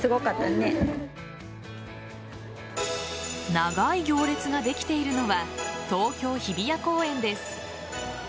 長い行列ができているのは東京・日比谷公園です。